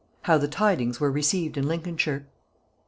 HOW THE TIDINGS WERE RECEIVED IN LINCOLNSHIRE.